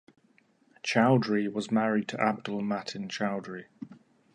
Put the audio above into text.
Chowdhury was married to Abdul Matin Chowdhury.